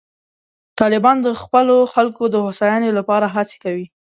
طالبان د خپلو خلکو د هوساینې لپاره هڅې کوي.